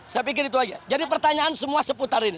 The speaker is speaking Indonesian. saya pikir itu aja jadi pertanyaan semua seputar ini